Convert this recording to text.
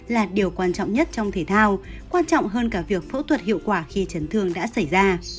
là điều quan trọng nhất trong thể thao quan trọng hơn cả việc phẫu thuật hiệu quả khi chấn thương đã xảy ra